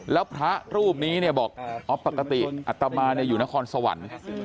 แล้วพระรูปนี้บอกปกติอัตตามาอยู่ในคลสวรรค์